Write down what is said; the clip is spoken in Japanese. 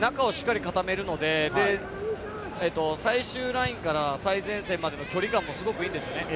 中をしっかり固めるので、最終ラインから最前線までの距離感もすごくいいんですよね。